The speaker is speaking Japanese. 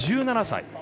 １７歳。